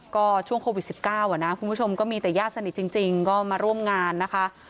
ก็ช่วงโควิด๑๙นะคุณผู้ชมก็มีแต่ญาติสนิทจริงก็มาร่วมงานนะคะ